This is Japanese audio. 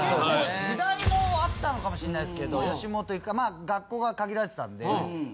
結構時代もあったのかもしんないですけど吉本行くか学校が限られてたんで。